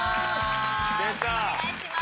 お願いします。